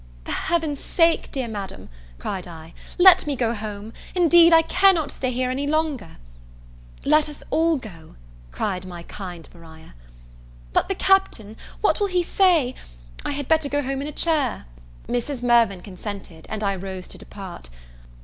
"For Heaven's sake, dear Madam," cried I, "let me go home; indeed I cannot stay here any longer." "Let us all go," cried my kind Maria. "But the Captain, what will he say I had better go home in a chair." Mrs. Mirvan consented, and I rose to depart.